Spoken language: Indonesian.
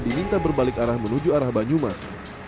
diminta berbalik arah menuju arah banyumas